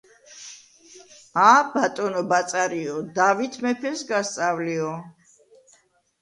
ა ბატონო ბაწარიო დავით მეფეს გასწავლიო.